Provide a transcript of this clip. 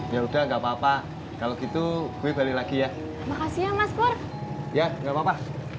ya udah nggak papa kalo gitu gue balik lagi ya makasih ya mas pur ya nggak papa